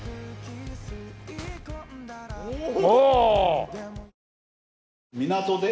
おお！